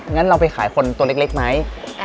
งั้นเราไปขายคนตัวเล็กไหม